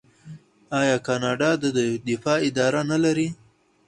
آیا کاناډا د دفاع اداره نلري؟